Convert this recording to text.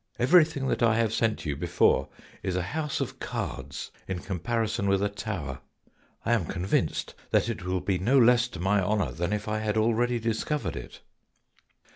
Everything that I have sent you before is a house of cards in comparison with a tower. I am con vinced that it will be no less to my honour than if I had already discovered it."